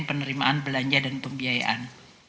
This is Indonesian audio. penerimaan belanja dan pembiayaan